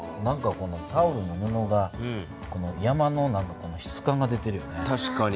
タオルの布で山の質感が出てるよね。